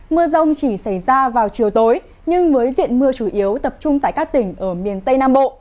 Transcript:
mưa rông chỉ xảy ra vào chiều tối nhưng với diện mưa chủ yếu tập trung tại các tỉnh ở miền tây nam bộ